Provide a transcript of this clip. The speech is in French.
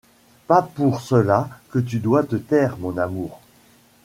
Pas pour cela que tu dois te taire, mon amour.